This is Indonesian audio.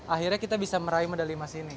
akhirnya kita bisa meraih medali emas ini